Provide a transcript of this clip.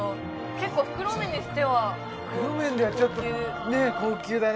結構袋麺にしては高級袋麺ではちょっとね高級だね